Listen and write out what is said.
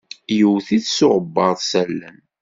Iwwet-it s uɣwebbaṛ s allen.